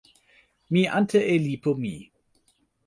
mi ante e lipu mi.